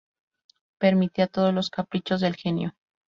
Permitía todos los caprichos del genio.